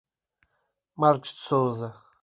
Marques de Souza